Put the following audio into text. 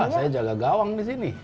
ya udah saya jaga gawang disini